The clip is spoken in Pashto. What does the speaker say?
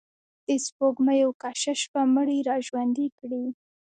د سپوږمیو کشش به مړي را ژوندي کړي.